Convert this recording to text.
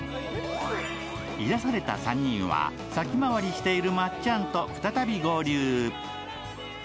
癒された３人は、先回りしているまっちゃんと再び合流。